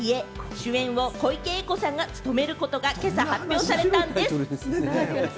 主演を小池栄子さんが務めることが今朝発表されたんでぃす。